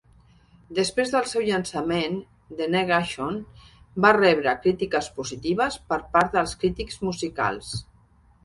Després del seu llançament, "The Negation" va rebre crítiques positives per part dels crítics musicals.